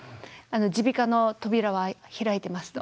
耳鼻科の扉は開いてますと。